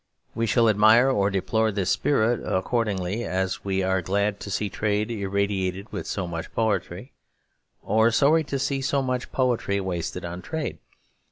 We shall admire or deplore this spirit, accordingly as we are glad to see trade irradiated with so much poetry, or sorry to see so much poetry wasted on trade.